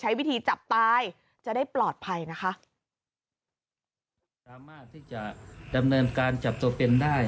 ใช้วิธีจับตายจะได้ปลอดภัยนะคะสามารถที่จะดำเนินการจับตัวเป็นได้